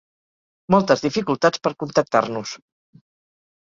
Moltes dificultats per contactar-nos.